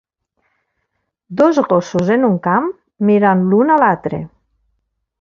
Dos gossos en un camp mirant l'un a l'altre